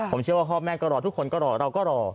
ผมเชื่อว่าพ่อแม่ก็รอทุกคนก็รอเราก็รอ